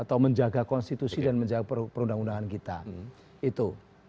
atau menjaga konstitusi dan menjaga perundang undangan kita itu